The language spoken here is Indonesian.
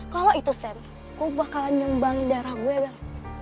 kalau itu sam gue bakalan nyumbang darah gue bel